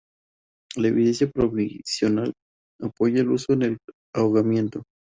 La evidencia provisional apoya el uso en el ahogamiento.